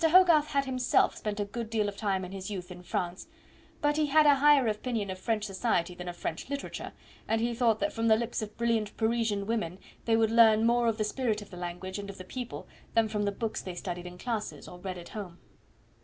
Hogarth had himself spent a good deal of time in his youth in France; but he had a higher opinion of French society than of French literature, and he thought that from the lips of brilliant Parisian women they would learn more of the spirit of the language and of the people than from the books they studied in classes or read at home.